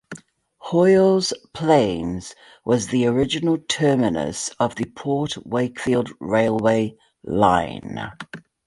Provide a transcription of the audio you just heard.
Hoyle's Plains was the original terminus of the Port Wakefield railway line.